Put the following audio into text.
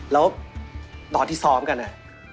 แล้วตอนที่ซ้อมกันเนี่ย